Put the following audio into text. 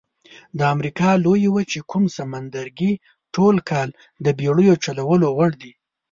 د امریکا لویې وچې کوم سمندرګي ټول کال د بېړیو چلولو وړ دي؟